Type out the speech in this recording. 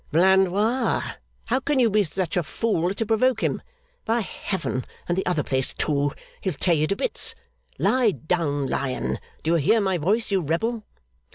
'Blandois! How can you be such a fool as to provoke him! By Heaven, and the other place too, he'll tear you to bits! Lie down! Lion! Do you hear my voice, you rebel!